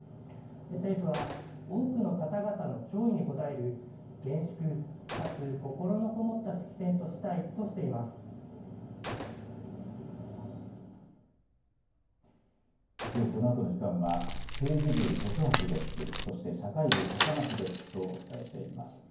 政府は、多くの方々の弔意に応える厳粛かつ心のこもった式典としたいとしきょうこのあとの時間は、政治部、徳橋デスク、そして社会部、笠松デスクとお伝えしていきます。